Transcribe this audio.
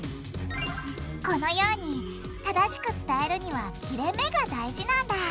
このように正しく伝えるには切れめが大事なんだ！